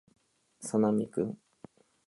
作並くん